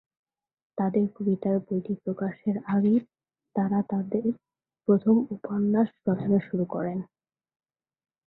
তাদের কবিতার বইটি প্রকাশের আগেই তারা তাদের প্রথম উপন্যাস রচনা শুরু করেন।